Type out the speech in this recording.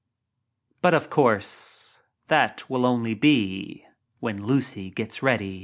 But, of course, that will only be when Lucy gets ready.